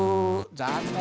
残念。